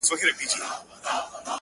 لمن كي مي د سپينو ملغلرو كور ودان دى،